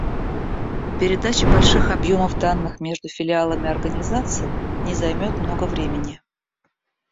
Передача больших объемов данных между филиалами организации не займет много времени